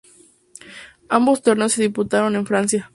Ambos torneos se disputaron en Francia.